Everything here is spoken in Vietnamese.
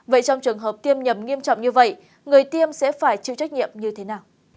vậy trong trường hợp tiêm nhầm nghiêm trọng như vậy người tiêm sẽ phải chịu trách nhiệm như thế nào